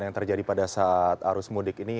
yang terjadi pada saat arus mudik ini